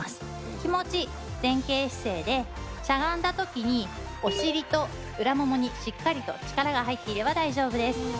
気持ち前傾姿勢でしゃがんだときにお尻と裏ももに、しっかりと力が入っていれば大丈夫です。